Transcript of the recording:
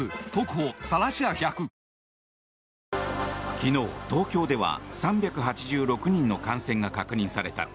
昨日、東京では３８６人の感染が確認された。